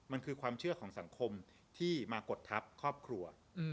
มันคือความเชื่อของสังคมที่มากดทัพครอบครัว